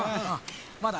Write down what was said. まだ？